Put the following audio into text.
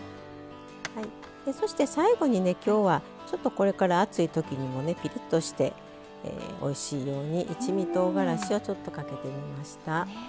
そして最後にね今日はちょっとこれから暑いときにもねピリッとしておいしいように一味とうがらしをちょっとかけてみました。